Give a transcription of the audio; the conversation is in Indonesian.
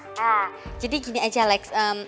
nah jadi gini aja alex